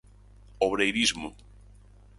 Obreirismo.